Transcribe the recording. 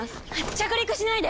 着陸しないで！